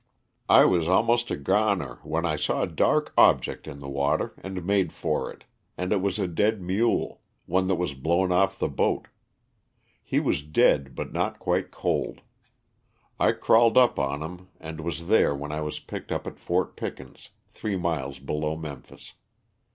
I was almost a goner, when I saw a dark object in the water and made for it, and it was a dead mule, one that was blown off the boat. He was dead but not quite cold. I crawled up on him and was there when I was picked up at Fort Pickens three miles below Memphis.